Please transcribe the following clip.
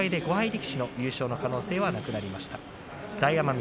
力士の優勝の可能性はなくなりました。